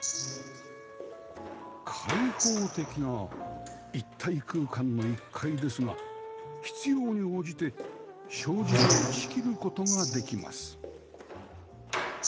開放的な一体空間の１階ですが必要に応じて障子で仕切る事ができます